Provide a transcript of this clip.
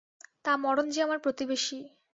তা মরণ যে আমার প্রতিবেশী।